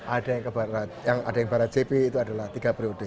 ada yang ke barajp itu adalah tiga periode